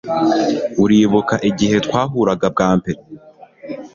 Uribuka igihe twahuraga bwa mbere